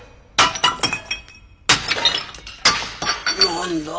何だ？